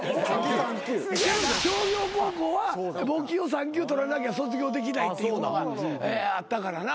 商業高校は簿記を３級取らなきゃ卒業できないっていうのがあったからな。